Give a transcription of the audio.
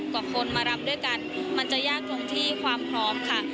กว่าคนมารับด้วยกันมันจะยากตรงที่ความพร้อมค่ะ